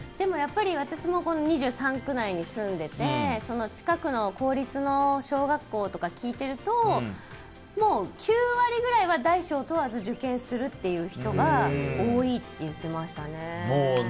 やっぱり私もこの２３区内に住んでて近くの公立の小学校とかを聞いてるともう、９割くらいは大小問わず受験するっていう人が多いって言ってましたね。